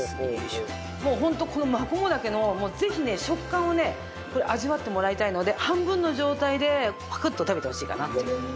もうホントこのマコモダケのぜひね食感をね味わってもらいたいので半分の状態でパクッと食べてほしいかなっていう。